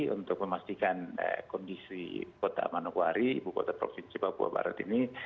untuk memastikan kondisi kota manokwari ibu kota provinsi papua barat ini